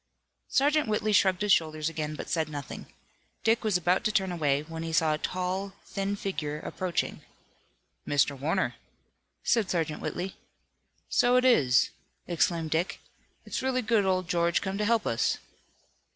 Sergeant Whitley shrugged his shoulders again, but said nothing. Dick was about to turn away, when he saw a tall, thin figure approaching. "Mr. Warner," said Sergeant Whitley. "So it is," exclaimed Dick. "It's really good old George come to help us!"